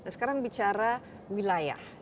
sekarang bicara wilayah